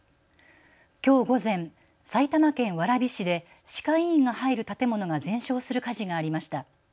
きょう午前、埼玉県蕨市で歯科医院が入る建物が全焼する火事がありました。